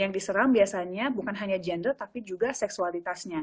yang diserang biasanya bukan hanya gender tapi juga seksualitasnya